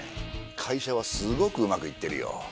会社はすごくうまく行ってるよ。